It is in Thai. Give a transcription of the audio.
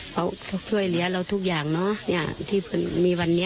เขาเพื่อยเลี้ยงเราทุกอย่างที่มีวันนี้